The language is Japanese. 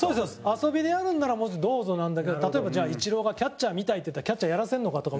遊びでやるんならどうぞなんだけど、例えばじゃあ、イチローがキャッチャー見たいって言ったらキャッチャーやらせるのかとか。